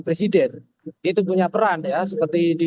presiden itu punya peran ya seperti di